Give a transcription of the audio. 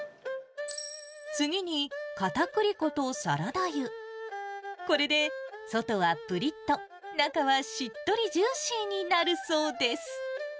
次に、かたくり粉とサラダ油、これで外はぷりっと、中はしっとりジューシーになるそうです。